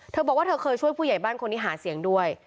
เธอบอกว่าเธอเคยช่วยผู้ใหญ่บ้านคนที่หาเสียงด้วย